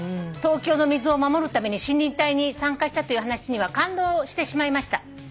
東京の水を守るために森林隊に参加したという話には感動してしまいました」